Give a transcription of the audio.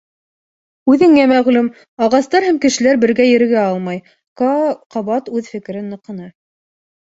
Үҙеңә мәғлүм, ағастар һәм кешеләр бергә ерегә алмай, — Каа ҡабат үҙ фекерен ныҡыны.